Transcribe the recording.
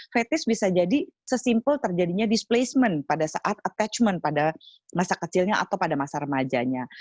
kritis bisa jadi sesimpel terjadinya displacement pada saat attachment pada masa kecilnya atau pada masa remajanya